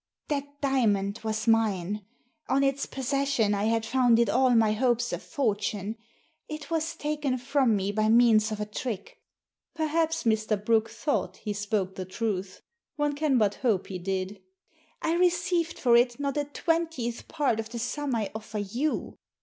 "That diamond was mine. On its possession I had founded all my hopes of fortune. It was taken from me by means of a trick." Perhaps Mr. Brooke thought he spoke the truth. One can but hope he did. " I received for it not a twentieth part of the sum I offer you."